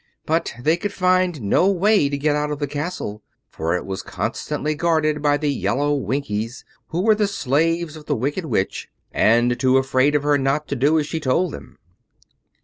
But they could find no way to get out of the castle, for it was constantly guarded by the yellow Winkies, who were the slaves of the Wicked Witch and too afraid of her not to do as she told them.